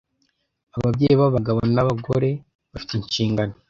Ababyeyi b’abagabo n’ab’abagore bafite inshingano